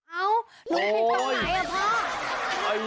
นักนุ๊ยเป็นตอนไหนพ่อ